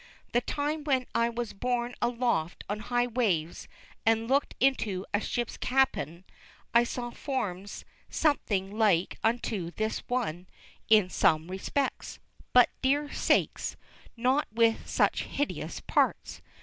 The time when I was borne aloft on high waves, and looked into a ship's cabin, I saw forms something like unto this one in some respects, but, dear sakes, not with such hideous parts!